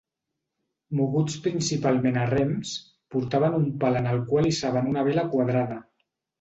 Moguts principalment a rems, portaven un pal en el qual hissaven una vela quadrada.